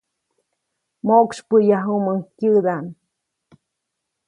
Moʼksypyäyajuʼumuŋ kyäʼdaʼm.